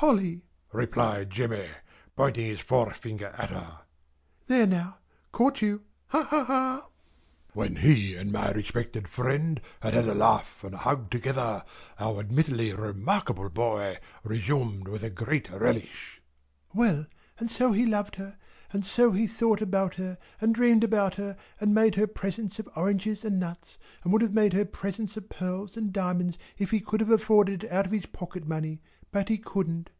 "Polly!" replied Jemmy, pointing his forefinger at her. "There now! Caught you! Ha, ha, ha!" When he and my respected friend had had a laugh and a hug together, our admittedly remarkable boy resumed with a great relish: "Well! And so he loved her. And so he thought about her, and dreamed about her, and made her presents of oranges and nuts, and would have made her presents of pearls and diamonds if he could have afforded it out of his pocket money, but he couldn't.